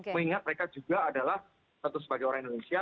mengingat mereka juga adalah tentu sebagai orang indonesia